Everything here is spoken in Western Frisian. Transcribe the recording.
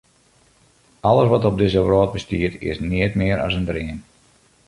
Alles wat op dizze wrâld bestiet, is neat mear as in dream.